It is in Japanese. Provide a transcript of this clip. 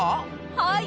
はい。